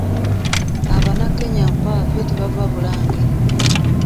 Abannakenya nfaafa tebava Bulange.